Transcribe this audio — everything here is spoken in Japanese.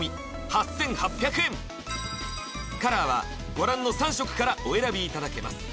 ８８００円カラーはご覧の３色からお選びいただけます